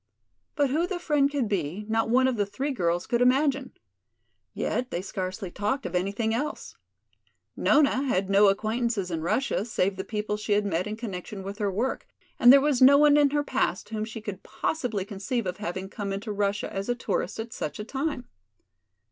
But who the friend could be, not one of the three girls could imagine. Yet they scarcely talked of anything else. Nona had no acquaintances in Russia save the people she had met in connection with her work, and there was no one in her past whom she could possibly conceive of having come into Russia as a tourist at such a time.